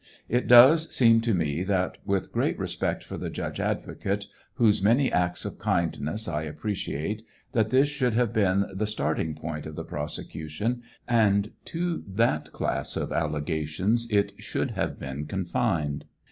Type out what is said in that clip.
It does seem to me, with great respect for the judge advocate, whose many acts of kindness I appreciate, that this should have been the starting point of the prosecution, and that to that class of alle gations it should have been confined.